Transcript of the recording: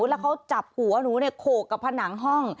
แล้วเขาจับหัวหนูเนี่ยโขกกับผนังห้อง